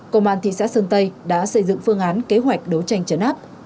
công an thị xã sơn tây đã xây dựng phương án kế hoạch đấu tranh trấn áp